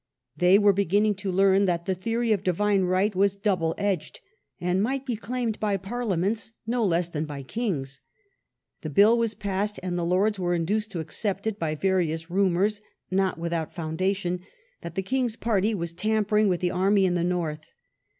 They were beginning to learn that the theory of Divine right was double edged, and might be claimed by parliaments no less than by kings. The bill was passed, and the Lords were induced to accept it by various rumours (not without foundation) that the king's party was tampering with the army in the north.